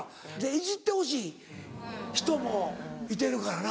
いじってほしい人もいてるからな。